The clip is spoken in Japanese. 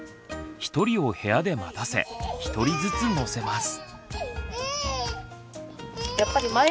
１人を部屋で待たせ１人ずつ乗せます。